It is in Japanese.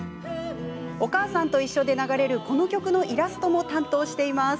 「おかあさんといっしょ」で流れるこの曲のイラストも担当しています。